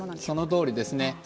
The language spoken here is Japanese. そのとおりですね。